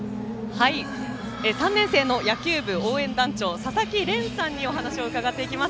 ３年生の野球部応援団長ささきれんさんにお話を伺っていきます。